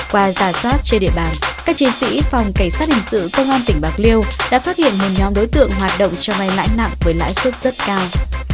qua giả soát trên địa bàn các chiến sĩ phòng cảnh sát hình sự công an tỉnh bạc liêu đã phát hiện một nhóm đối tượng hoạt động cho vay lãi nặng với lãi suất rất cao